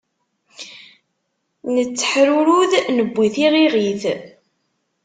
Netteḥrurud newwi tiɣiɣit.